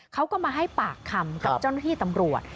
เขาก็มาให้ปากคำกับเจ้าหน้าที่ตำรวจ